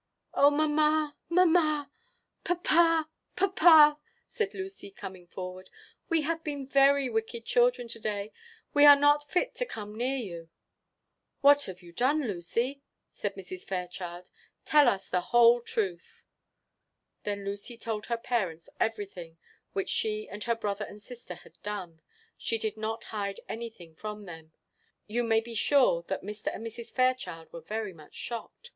"Oh, mamma, mamma! papa, papa!" said Lucy, coming forward, "we have been very wicked children to day; we are not fit to come near you." "What have you done, Lucy?" said Mrs. Fairchild. "Tell us the whole truth." Then Lucy told her parents everything which she and her brother and sister had done; she did not hide anything from them. You may be sure that Mr. and Mrs. Fairchild were very much shocked.